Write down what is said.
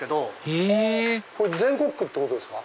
へぇ全国区ってことですか？